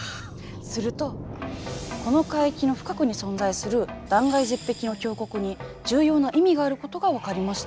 するとこの海域の深くに存在する断崖絶壁の峡谷に重要な意味があることが分かりました。